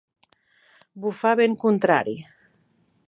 Bufar vent contrari.